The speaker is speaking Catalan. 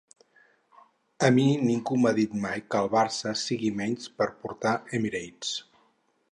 A mi ningú m'ha dit mai que el Barça sigui menys per portar 'Emirates'.